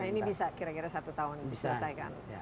nah ini bisa kira kira satu tahun diselesaikan